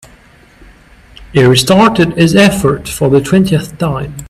He restarted his efforts for the twentieth time.